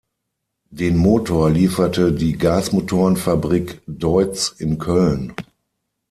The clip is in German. Den Motor lieferte die Gasmotoren-Fabrik Deutz in Köln.